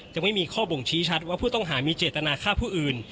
ยังไม่มีข้อบ่งชี้ชัดว่าผู้ต้องหามีเจตนาฆ่าผู้อื่น